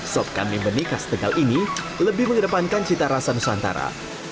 sop kambing benih khas tegal ini lebih mengedepankan cita rasa nusantara